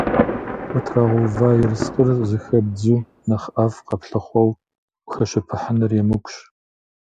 Къытрагъэува ерыскъыр зэхэбдзу, нэхъ ӏэфӏ къэплъыхъуэу ухэщыпыхьыныр емыкӏущ.